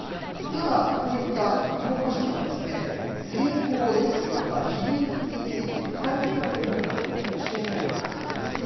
ただ、こういった教科書では性交ですとか、避妊について、具体的な方法っていうのは、ほとんど教えないんだそうです。